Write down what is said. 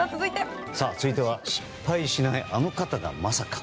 続いては失敗しないあの方がまさか。